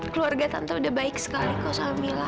keluarga tante sudah baik sekali kosong mila